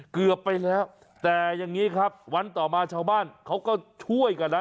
เกือบไปแล้วแต่อย่างนี้ครับวันต่อมาชาวบ้านเขาก็ช่วยกันนะ